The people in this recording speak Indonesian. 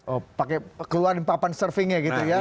oh pakai keluhan papan surfingnya gitu ya